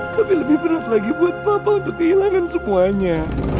tapi lebih berat lagi buat papa untuk kehilangan semuanya